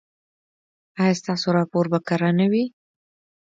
ایا ستاسو راپور به کره نه وي؟